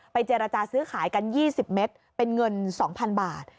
เจรจาซื้อขายกัน๒๐เมตรเป็นเงิน๒๐๐๐บาท